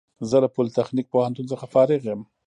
زه له پولیتخنیک پوهنتون څخه فارغ یم